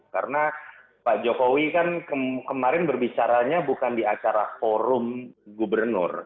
karena pak jokowi kan kemarin berbicaranya bukan di acara forum gubernur